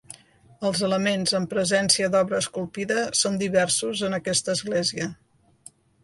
Els elements amb presència d'obra esculpida són diversos, en aquesta església.